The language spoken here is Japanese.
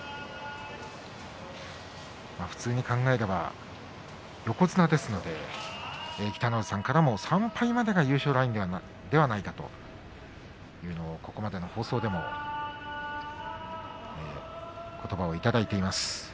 普通に考えれば横綱ですので北の富士さんからも３敗までが優勝ラインではないかとここまでの放送でことばをいただいています。